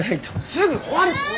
すぐ終わるって！